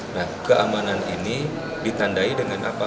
nah keamanan ini ditandai dengan apa